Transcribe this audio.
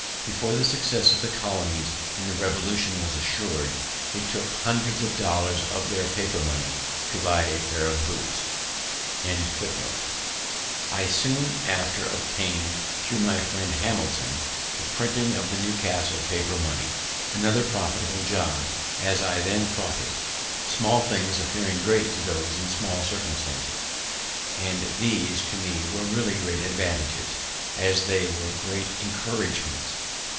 Before the success of the Colonies in the Revolution was assured, it took hundreds of dollars of their paper money to buy a pair of boots. I soon after obtain'd, thro' my friend Hamilton, the printing of the Newcastle paper money, another profitable jobb as I then thought it; small things appearing great to those in small circumstances; and these, to me, were really great advantages, as they were great encouragements.